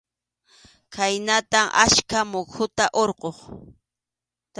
Khaynatam achka muhuta hurquq.